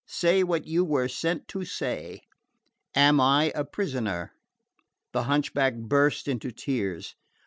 "Say what you were sent to say. Am I a prisoner?" The hunchback burst into tears.